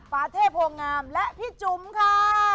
ปาเทพโพงามและพี่จุ๋มค่ะ